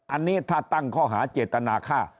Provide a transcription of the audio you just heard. อันนี้ถ้าตั้งข้อหาเจตนาฆ่า